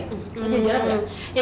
lo jadi jadi mak